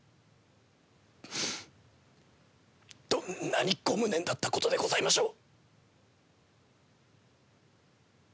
どんなにご無念だったことでございましょう。